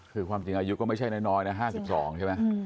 คือความจริงอายุก็ไม่ใช่น้อยนะ๕๒ใช่ไหม